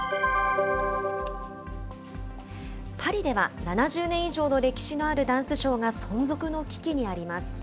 パリでは、７０年以上の歴史あるダンスショーが存続の危機にあります。